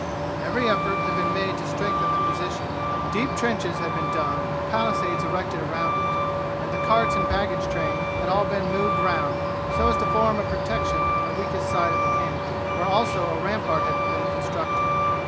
Every effort had been made to strengthen the position. Deep trenches had been dug and palisades erected around it, and the carts and baggage train had all been moved round so as to form a protection on the weakest side of the camp, where also a rampart had been constructed.